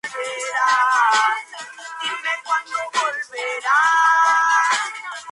Su curso transcurre por Vizcaya, País Vasco, en el norte de España.